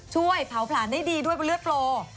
ช่วยเผาผลาญได้ดีด้วยบนเลือดโปร